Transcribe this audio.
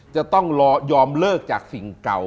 จะต้องยอมเลิกจากสิ่งเก่า